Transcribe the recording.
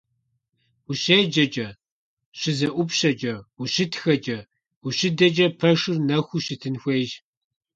УщеджэкӀэ, щызэӀупщэкӀэ, ущытхэкӀэ, ущыдэкӀэ пэшыр нэхуу щытын хуейщ.